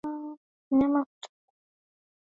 Mnyama kutokwa na malengelenge